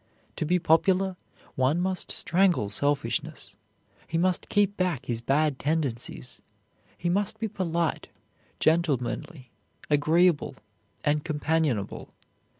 To be popular, one must strangle selfishness, he must keep back his bad tendencies, he must be polite, gentlemanly, agreeable, and companionable.